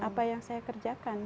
apa yang saya kerjakan